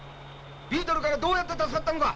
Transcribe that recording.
ビートルからどうやって助かったのだ。